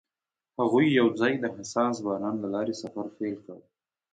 هغوی یوځای د حساس باران له لارې سفر پیل کړ.